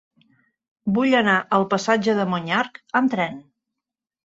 Vull anar al passatge de Monyarc amb tren.